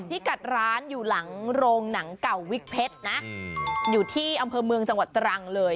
พี่กัดร้านอยู่หลังโรงหนังเก่าวิกเพชรนะอยู่ที่อำเภอเมืองจังหวัดตรังเลย